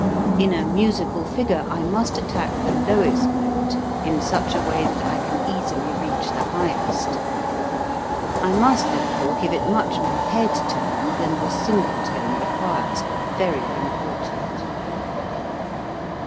In a musical figure I must attack the lowest note in such a way that I can easily reach the highest. I must, there fore, give it much more head tone than the single tone requires. (Very important.)